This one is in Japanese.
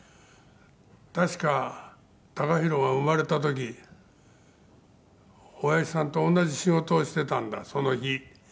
「確か貴博が生まれた時親父さんと同じ仕事をしてたんだその日」